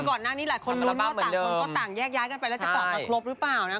ก่อนหน้านี้หลายคนลุ้นว่าต่างแยกกันไปแล้วจะกลับกันครบหรือเปล่านะ